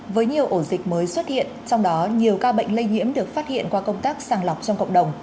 với nhiều ổ dịch mới xuất hiện trong đó nhiều ca bệnh lây nhiễm được phát hiện qua công tác sàng lọc trong cộng đồng